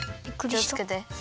きをつけて。